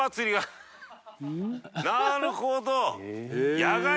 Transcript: なるほど！